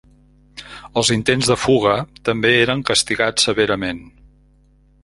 Els intents de fuga també eren castigats severament.